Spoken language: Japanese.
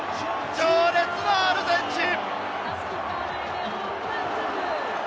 情熱のアルゼンチン！